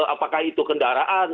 apakah itu kendaraan